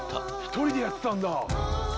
１人でやってたんだ！？